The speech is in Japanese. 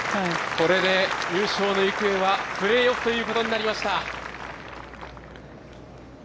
これで優勝の行方はプレーオフということになりました。